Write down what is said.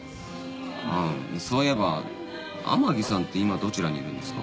ああそういえば天樹さんって今どちらにいるんですか？